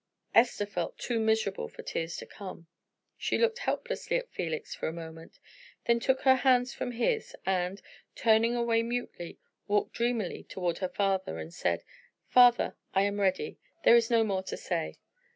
Esther felt too miserable for tears to come. She looked helplessly at Felix for a moment, then took her hands from his, and, turning away mutely, walked dreamily toward her father, and said, "Father, I am ready there is no more to say."